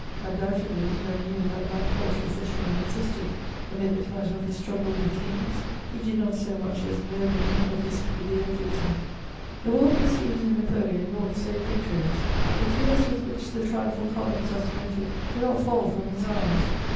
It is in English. Undoubtedly, he never knew that that paltry fisherman existed; amid the clatter of his struggle with kings, he did not so much as know the name of his plebeian victim. The world perceives in Napoleon naught save victories; the tears with which the triumphal columns are cemented do not fall from his eyes.